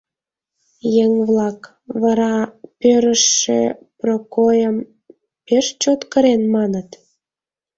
Еҥ-влак: «Вара пӧрыжшӧ Прокойым пеш чот кырен», — маныт.